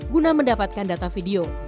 guna mendapatkan data video